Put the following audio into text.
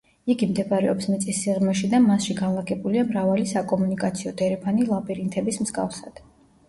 იგი მდებარეობს მიწის სიღრმეში და მასში განლაგებულია მრავალი საკომუნიკაციო დერეფანი ლაბირინთების მსგავსად.